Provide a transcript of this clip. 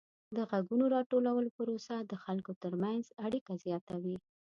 د غږونو راټولولو پروسه د خلکو ترمنځ اړیکه زیاتوي.